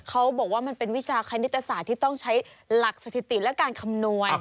เขาบอกว่ามันเป็นวิชาคณิตศาสตร์ที่ต้องใช้หลักสถิติและการคำนวณ